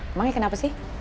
mama ngikut kenapa sih